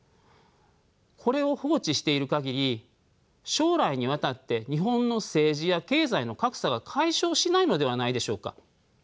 これを放置している限り将来にわたって日本の政治や経済の格差が解消しないのではないでしょうか。